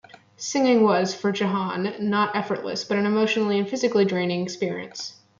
Singing was, for Jehan, not effortless but an emotionally and physically draining exercise.